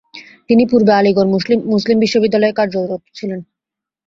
তিনি পূর্বে আলীগড় মুসলিম বিশ্ববিদ্যালয়-এ কার্যরত ছিলেন।